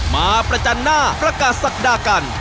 มาประจันหน้าประกาศศักดากัน